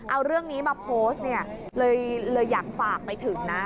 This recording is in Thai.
เอาเรื่องนี้มาโพสต์เนี่ยเลยอยากฝากไปถึงนะ